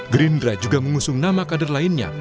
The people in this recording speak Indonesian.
gerindra juga mengusung nama kader lainnya